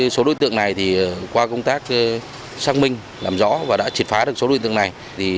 số đối tượng này qua công tác xác minh làm rõ và đã triệt phá được số đối tượng này